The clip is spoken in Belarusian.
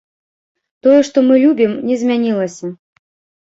Тое, што мы любім, не змянілася.